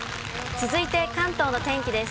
続いて関東の天気です。